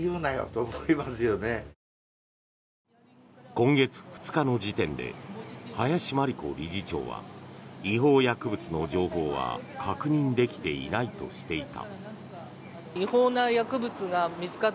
今月２日の時点で林真理子理事長は違法薬物の情報は確認できていないとしていた。